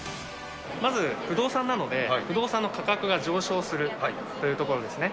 まず、不動産なので不動産の価格が上昇するというところですね。